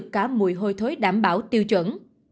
cả mùi hôi thối đảm bảo tiêu chuẩn